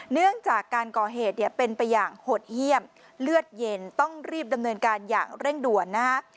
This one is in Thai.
เนื่องจากการก่อเหตุเนี่ยเป็นไปอย่างหดเยี่ยมเลือดเย็นต้องรีบดำเนินการอย่างเร่งด่วนนะฮะ